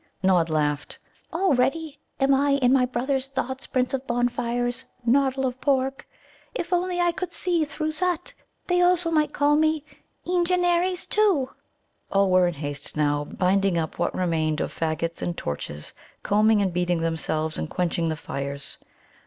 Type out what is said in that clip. Nod laughed. "Already am I in my brothers' thoughts Prince of Bonfires, Noddle of Pork; if only I could see through Zut, they also might call me Eengenares, too." All were in haste now, binding up what remained of faggots and torches, combing and beating themselves and quenching the fires.